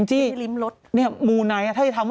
หว่านักพูดนักอย่างทำ